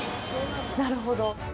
なるほど。